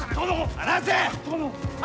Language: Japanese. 離せ！